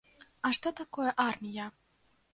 А што такое армія?